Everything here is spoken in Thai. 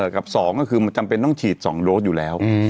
กับ๒ก็คือมันจำเป็นต้องฉีด๒โดสอยู่แล้ว